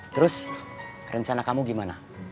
terus rencana kamu gimana